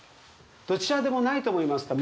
どちらでもないと思いますか？